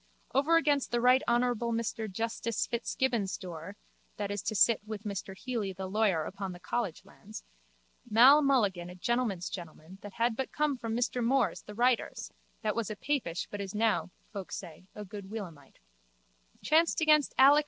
Over against the Rt. Hon. Mr Justice Fitzgibbon's door (that is to sit with Mr Healy the lawyer upon the college lands) Mal. Mulligan a gentleman's gentleman that had but come from Mr Moore's the writer's (that was a papish but is now, folk say, a good Williamite) chanced against Alec.